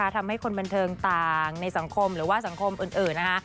ทำให้คนบันเทิงต่างในสังคมหรือว่าสังคมอื่น